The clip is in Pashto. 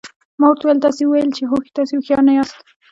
ما ورته وویل تاسي ویل چې تاسي هوښیار نه یاست.